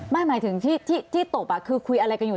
หมายถึงที่ตบคือคุยอะไรกันอยู่